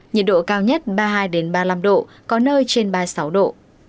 nhiệt độ cao nhất ba mươi hai ba mươi năm độ có nơi trên ba mươi sáu độ